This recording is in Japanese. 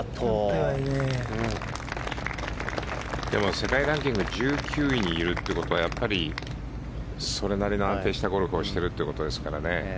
世界ランキング１９位にいるってことはそれなりの安定したゴルフをしているということですからね。